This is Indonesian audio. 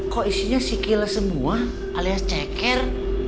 kok isinya sikil semua alias ceker